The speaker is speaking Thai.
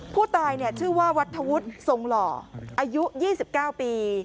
ผู้ตายชื่อว่าวัฒวุฒิทรงหล่ออายุ๒๙ปี